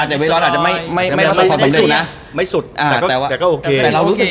อ่าเวรอนอาจจะไม่ไม่ไม่สุดแต่ก็แต่ก็โอเคแต่เรารู้สึก